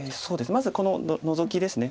まずこのノゾキです。